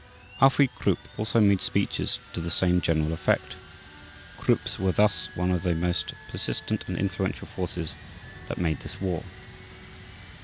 Alfried Krupp also made speeches to the same general effect. Krupps were thus one of the most persistent and influential forces that made this war.